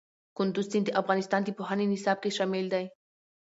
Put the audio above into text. کندز سیند د افغانستان د پوهنې نصاب کې شامل دی.